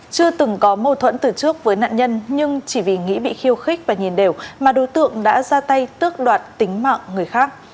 chưa từng có mâu thuẫn từ trước với nạn nhân nhưng chỉ vì nghĩ bị khiêu khích và nhìn đều mà đối tượng đã ra tay tước đoạt tính mạng người khác